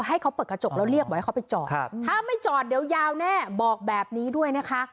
ให้เขาเปิดกระจกแล้วเรียกบอกให้เขาไปจอดถ้าไม่จอดเดี๋ยวยาวแน่บอกแบบนี้ด้วยนะคะ